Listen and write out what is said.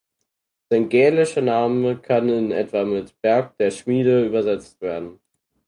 Sein gälischer Name kann in etwa mit "Berg der Schmiede" übersetzt werden.